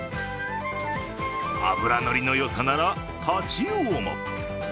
脂のりのよさなら、太刀魚も。